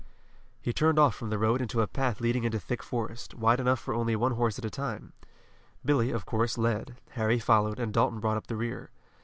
He turned off from the road into a path leading into thick forest, wide enough for only one horse at a time. Billy, of course, led, Harry followed, and Dalton brought up the rear.